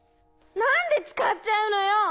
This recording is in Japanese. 何で使っちゃうのよ！